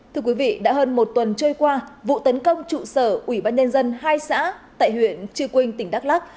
thưa quý vị đã hơn một tuần trôi qua vụ tấn công trụ sở ủy ban nhân dân hai xã tại huyện chư quynh tỉnh đắk lắc